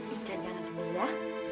icah jangan sendiri ya